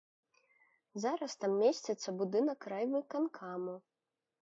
Зараз там месціцца будынак райвыканкаму.